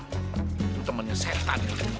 itu temannya setan